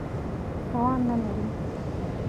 توان نه لري.